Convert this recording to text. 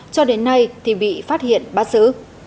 cho đến nay thì bị phát hiện bắt xứ